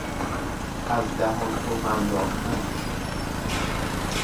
از دهان تف انداختن